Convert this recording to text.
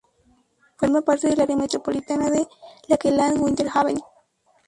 Forma parte del área metropolitana de Lakeland–Winter Haven.